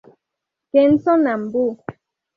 Kenzo Nambu